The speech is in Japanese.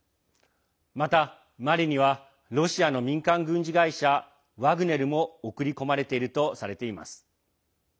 また、マリにはロシアの民間軍事会社ワグネルも送り込まれているとされています。